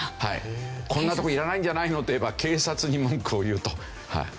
こんな所いらないんじゃないの？といえば警察に文句を言うと。